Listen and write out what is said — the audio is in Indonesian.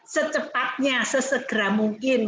secepatnya sesegera mungkin